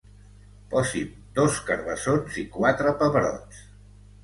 Posi'm dos carbassons i quatre pebrots.